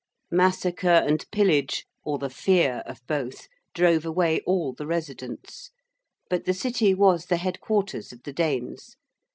Massacre and pillage or the fear of both drove away all the residents. But the City was the headquarters of the Danes.